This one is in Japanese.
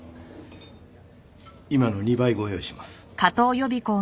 ・今の２倍ご用意します。